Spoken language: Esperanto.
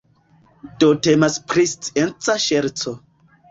Do temas pri scienca ŝerco.